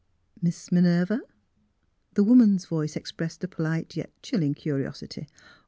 " Miss — Minerva? " The woman's voice expressed a polite, yet chill ing curiosity.